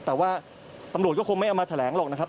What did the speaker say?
แต่ว่าตำรวจก็คงไม่เอามาแถลงหรอกนะครับ